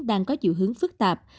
đang có dự hướng phức tạp